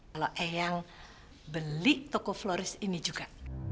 kalau eyang beli toko flores ini juga